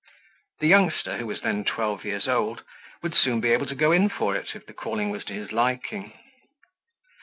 The youngster, who was then twelve years old, would soon be able to go in for it, if the calling was to his liking.